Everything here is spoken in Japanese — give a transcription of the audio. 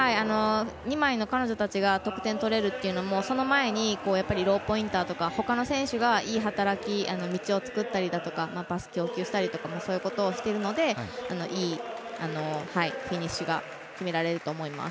２枚の彼女たちが得点を取れるというのもその前に、ローポインターとかほかの選手がいい働き道を作ったりだとかパスを供給したりとかそういうこともしていたのでいいフィニッシュが決められると思います。